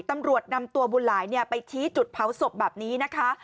ตำรวจนำตัวบุญหลายไปชี้จุดเผาศพแบบนี้นะคะ